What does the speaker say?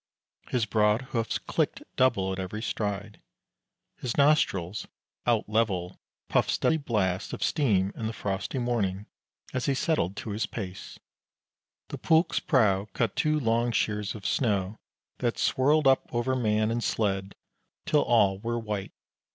His broad hoofs clicked double at every stride. His nostrils, out level, puffed steady blasts of steam in the frosty morning as he settled to his pace. The pulk's prow cut two long shears of snow, that swirled up over man and sled till all were white.